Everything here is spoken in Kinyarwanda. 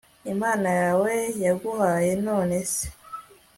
imana yawe yaguhaye? none se